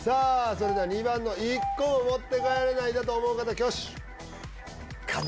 それでは２番の１個も持って帰れないだと思う方挙手かな